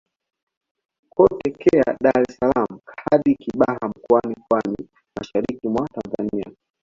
Kutokea Dar es salaam hadi Kibaha Mkoani Pwani mashariki mwa Tanzania